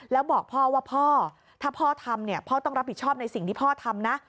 แล้วบอกพ่อว่าพ่อถ้าพ่อทำเนี่ยพ่อต้องรับผิดชอบในสิ่งที่พ่อทำนะ